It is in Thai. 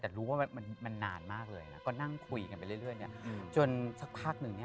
แต่รู้ว่ามันนานมากเลยก็นั่งคุยกันไปเรื่อยจนสักพักหนึ่ง